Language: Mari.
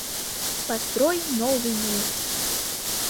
Построим новый мир».